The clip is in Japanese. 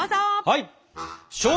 はい！